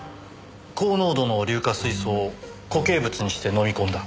高濃度の硫化水素を固形物にして飲み込んだ。